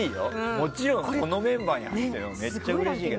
もちろんこのメンバーに入っているのはすごくうれしい。